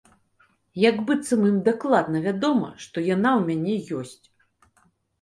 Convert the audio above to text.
Як быццам ім дакладна вядома, што яна ў мяне ёсць.